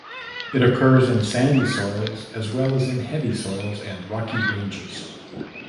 It occurs in sandy soils as well as in heavy soils and rocky ranges.